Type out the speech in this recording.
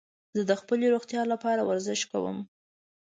زه د خپلې روغتیا لپاره ورزش کوم.